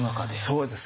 そうです。